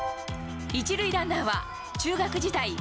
１塁ランナーは中学時代